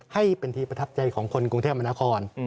ให้เป็นที่ประทับใจของคนกรุงเทพมนาคม